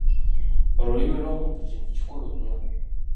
Olulimi lw'omuntu kintu kikulu nnyo.